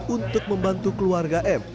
untuk membantu keluarga m